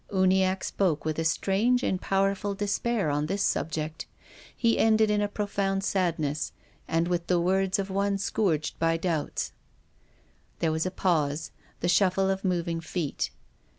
Uniacke spoke with a strange and powerful despair on this subject. He ended in a profound sadness and with the words of one scourged by doubts. There was a pause, the shuffle of moving feet.